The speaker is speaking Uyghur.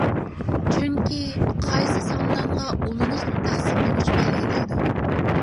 چۈنكى، قايسى ساندانغا ئۇلىنىشنى تەقسىملىگۈچ بەلگىلەيدۇ.